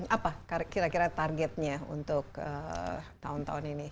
apa kira kira targetnya untuk tahun tahun ini